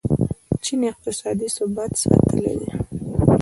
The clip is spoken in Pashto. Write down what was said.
چین اقتصادي ثبات ساتلی دی.